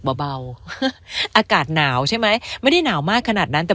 เบาอากาศหนาวใช่ไหมไม่ได้หนาวมากขนาดนั้นแต่